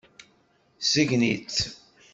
Sgen-itt.